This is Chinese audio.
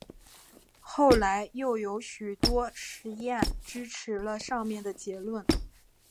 后来又有许多实验支持了上面的结论。